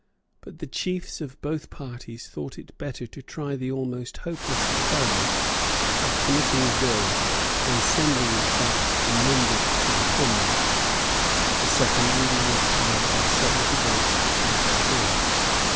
But the chiefs of both parties thought it better to try the almost hopeless experiment of committing the bill and sending it back amended to the Commons. The second reading was carried by seventy votes to twenty three.